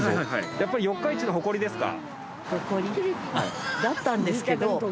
やっぱり四日市の誇りですか？